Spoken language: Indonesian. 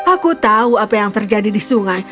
aku tahu apa yang terjadi di sungai